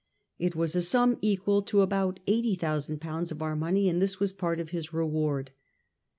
It was a sum equal to about eighty thousand pounds of our money, and this was part of his reward.